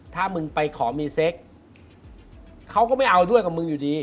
ถ้ามึงไปขอมีเซ็กเขาก็ไม่เอาด้วยกับมึงอยู่ดี